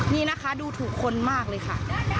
นี่นะคะดูถูกคนมากเลยค่ะ